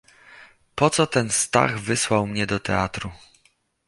"Poco ten Stach wysłał mnie do teatru!..."